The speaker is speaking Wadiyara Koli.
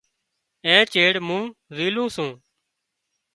اين چيڙ مُون زِيلُون سُون۔